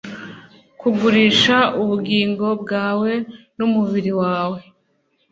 kugurisha ubugingo bwawe n'umubiri wawe